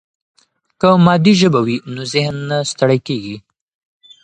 که مادي ژبه وي نو ذهن نه ستړی کېږي.